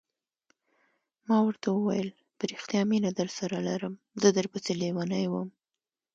ما ورته وویل: په رښتیا مینه درسره لرم، زه در پسې لیونی وم.